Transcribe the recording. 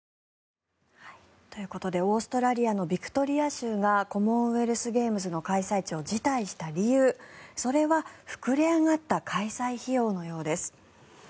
ということでオーストラリアのビクトリア州がコモンウェルスゲームズの開催地を辞退した理由それは膨れ上がった開催費用のようです。